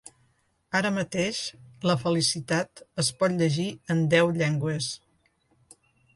Ara mateix, La felicitat es pot llegir en deu llengües.